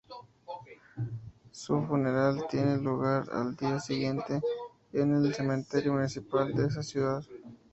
Su funeral, tiene lugar al día siguiente en el Cementerio Municipal de esa ciudad.